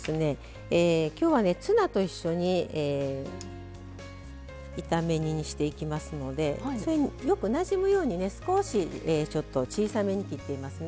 きょうは、ツナと一緒に炒め煮にしていきますのでそれによくなじむように少しちょっと小さめに切っています。